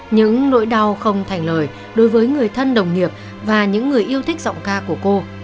những nỗi đau không thành lời đối với người thân đồng nghiệp và những người yêu thích giọng ca của cô